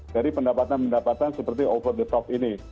dari pendapatan pendapatan seperti over the top ini